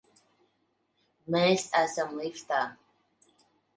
Mēs esam liftā!